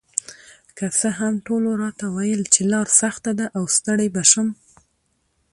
که څه هم ټولو راته ویل چې لار سخته ده او ستړې به شم،